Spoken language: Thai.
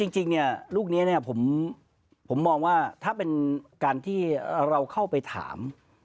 จริงลูกนี้ผมมองว่าถ้าเป็นการที่เราเข้าไปถาม